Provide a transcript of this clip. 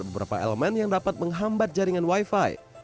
beberapa elemen yang dapat menghambat jaringan wifi